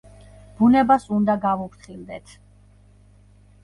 ბუნებას უნდა გავუფრთხილდეთ!♡!